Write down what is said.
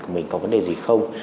của mình có vấn đề gì không